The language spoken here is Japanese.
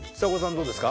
どうですか？